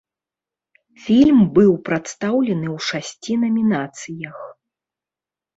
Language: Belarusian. Фільм быў прадстаўлены ў шасці намінацыях.